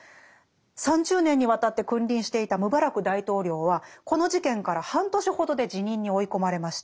３０年にわたって君臨していたムバラク大統領はこの事件から半年ほどで辞任に追い込まれました。